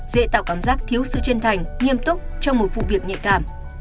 dễ tạo cảm giác thiếu sự chân thành nghiêm túc trong một vụ việc nhạy cảm